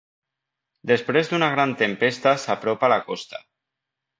Després d'una gran tempesta s'apropa a la costa.